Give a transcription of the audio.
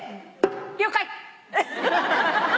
了解。